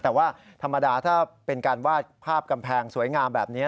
แต่ว่าธรรมดาถ้าเป็นการวาดภาพกำแพงสวยงามแบบนี้